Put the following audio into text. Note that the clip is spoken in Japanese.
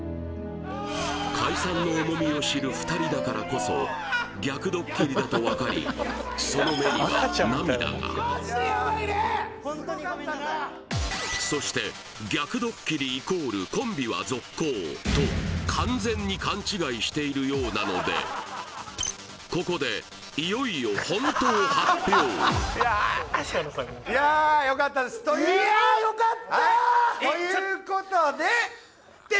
解散の重みを知る２人だからこそ逆ドッキリだと分かりその目には涙がそしてと完全に勘違いしているようなのでここでいよいよホントを発表テッテレえっ！